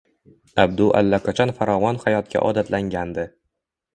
Abdu allaqachon farovon hayotga odatlangandi